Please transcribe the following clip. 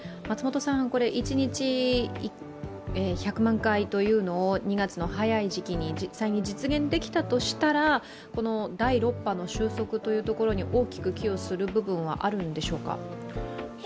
一日１００万回というのを２月の早い時期に実際に実現できたとしたら第６波の収束に大きく寄与する部分はあるんでしょうか？